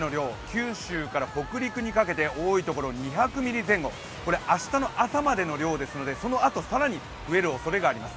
九州から北陸にかけて多いところ２００ミリ前後、これは明日の朝までの量ですので、そのあと更に増えるおそれがあります。